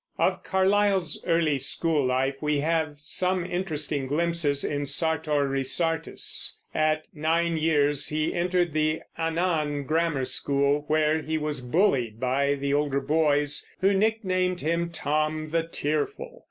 Of Carlyle's early school life we have some interesting glimpses in Sartor Resartus. At nine years he entered the Annan grammar school, where he was bullied by the older boys, who nicknamed him Tom the Tearful.